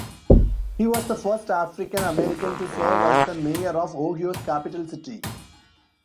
He was the first African-American to serve as the mayor of Ohio's capital city.